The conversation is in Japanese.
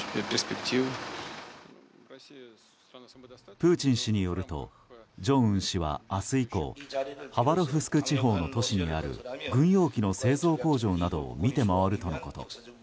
プーチン氏によると正恩氏は明日以降ハバロフスク地方の都市にある軍用機の製造工場などを見て回るとのこと。